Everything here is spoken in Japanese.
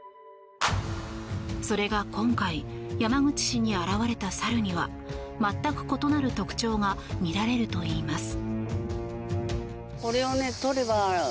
それが今回、山口市に現れた猿には全く異なる特徴が見られるといいます。